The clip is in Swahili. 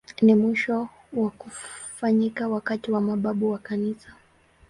Ni wa mwisho kufanyika wakati wa mababu wa Kanisa.